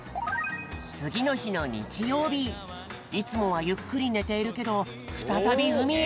つぎのひのにちようびいつもはゆっくりねているけどふたたびうみへ。